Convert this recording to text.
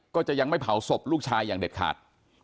ก็จะยังไม่เผาศพลูกชายอย่างเด็ดขาด